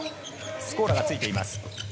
スコーラがついています。